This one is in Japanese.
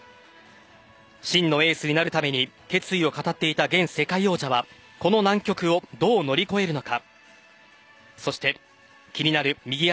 真のエースになるために決意を語っていた現世界王者はこの難局をどう乗り越えるのか。